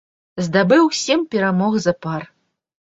Здабыў сем перамог запар.